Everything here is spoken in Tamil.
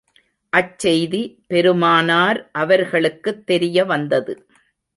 அச்செய்தி பெருமானார் அவர்களுக்குத் தெரிய வந்தது.